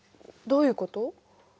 どういうこと？